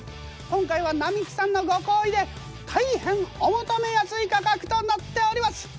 今回は並木さんのご厚意で大変お求めやすい価格となっております。